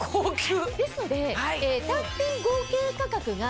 ですので。